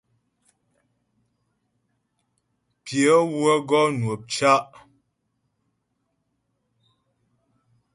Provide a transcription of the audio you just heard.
Pyə wə́ gɔ nwə̂p cá'.